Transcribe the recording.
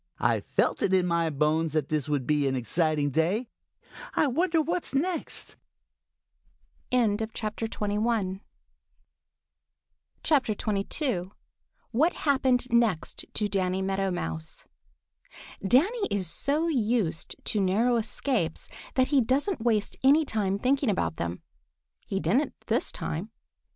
"I felt it in my bones that this would be an exciting day. I wonder what next." XXII WHAT HAPPENED NEXT TO DANNY MEADOW MOUSE DANNY is so used to narrow escapes that he doesn't waste any time thinking about them. He didn't this time.